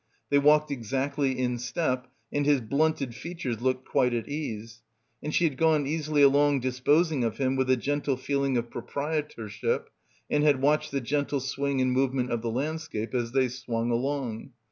They walked exactly in step and his blunted features looked quite at ease; and she had gone easily along disposing of him with a gentle feeling of proprietorship, and had watched the gentle swing and movement of the landscape as they swung along.